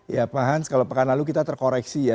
ya pak hans kalau pekan lalu kita terkoreksi ya